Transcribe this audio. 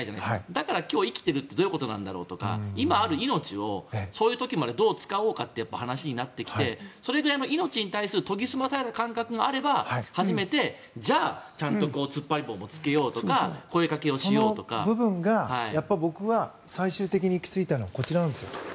だから、生きるってどういうことなんだろうとか今ある命をそういう時までどう使おうかという話になってきてそれぐらいの命に対する研ぎ澄まされた感覚があれば初めて、じゃあ突っ張り棒もつけようとかその部分がやっぱり僕は最終的に行きついたのはこちら。